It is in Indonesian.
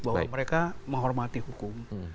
bahwa mereka menghormati hukum